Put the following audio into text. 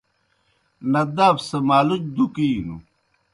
نداف سہ مالُچ دُکِینوْ۔